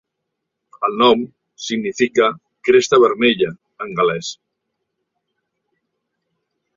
El nom significa "cresta vermella" en gal·lès.